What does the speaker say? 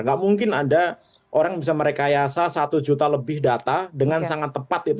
nggak mungkin ada orang bisa merekayasa satu juta lebih data dengan sangat tepat itu